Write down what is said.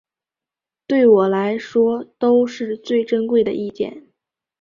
对我来说都是最珍贵的意见